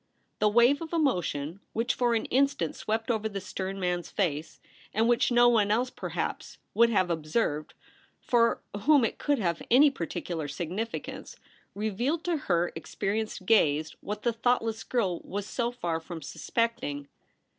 The wave of emotion which for an Instant swept over the stern man's face, and which no one else perhaps would have observed for whom it could have had any particular significance, revealed to her experienced gaze what the thoughtless girl was so far from suspecting.